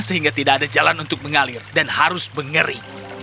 sehingga tidak ada jalan untuk mengalir dan harus mengeri